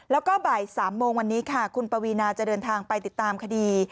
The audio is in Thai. แล้วก็บ่าย๓โมงวันนี้ค่ะคุณปวีนาจะเดินทางไปติดตามคดี